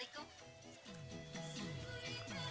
di dek daftar